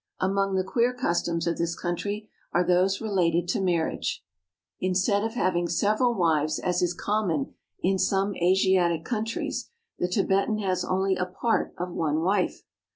Among the queer customs of this country are those re lating to marriage. Instead of having several wives as is common in some Asiatic countries, the Tibetan has only a part of one wife.